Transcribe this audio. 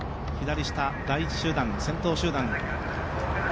左下、第１集団、先頭集団。